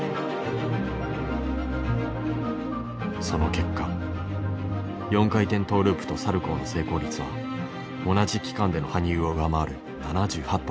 その結果４回転トーループとサルコーの成功率は同じ期間での羽生を上回る７８％。